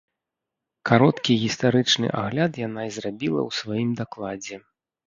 Кароткі гістарычны агляд яна і зрабіла ў сваім дакладзе.